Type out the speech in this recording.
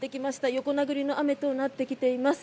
横殴りの雨となってきています。